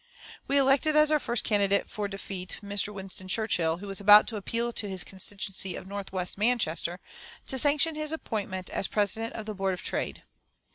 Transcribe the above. We selected as our first candidate for defeat Mr. Winston Churchill, who was about to appeal to his constituency of North West Manchester to sanction his appointment as president of the Board of Trade.